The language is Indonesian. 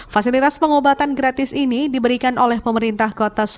fasilitas pengobatan gratis ini diberikan oleh pemerintah kota surabaya